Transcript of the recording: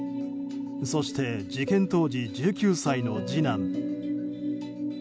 そして事件当時１９歳の次男。